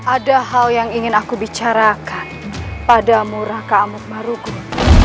ada hal yang ingin aku bicarakan pada murahka amuk maruku